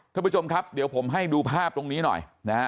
ท่านผู้ชมครับเดี๋ยวผมให้ดูภาพตรงนี้หน่อยนะฮะ